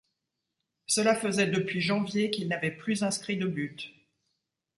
Cela faisait depuis janvier qu'il n'avait plus inscrit de buts.